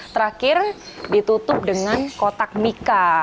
terakhir ditutup dengan kotak mika